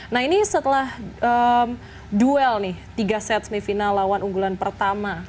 nah ini setelah duel nih tiga set semifinal lawan unggulan pertama